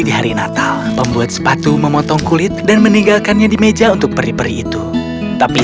di hari natal pembuat sepatu memotong kulit dan meninggalkannya di meja untuk peri peri itu tapi